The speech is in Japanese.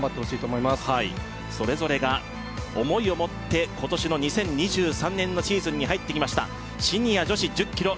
はいそれぞれが思いを持って今年の２０２３年のシーズンに入ってきましたシニア女子１０ｋｍ